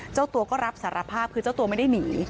เจ้าตัวก็รับสารภาพคือเจ้าตัวไม่ได้หนี